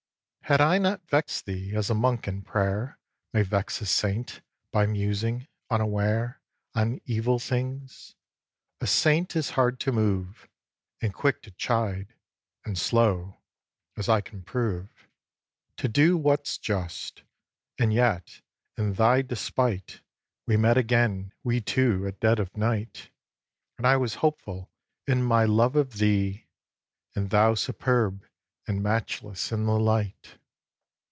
iii. Had I not vext thee, as a monk in prayer May vex a saint by musing, unaware, On evil things? A saint is hard to move, And quick to chide, and slow, as I can prove, To do what's just; and yet, in thy despite, We met again, we too, at dead of night; And I was hopeful in my love of thee, And thou superb, and matchless, in the light.